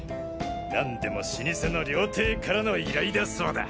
なんでも老舗の料亭からの依頼だそうだ。